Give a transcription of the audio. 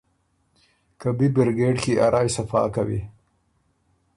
که بی برګېډ کی ا رایٛ صفا کوی